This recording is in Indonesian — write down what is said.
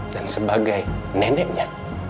dan sebagai neneknya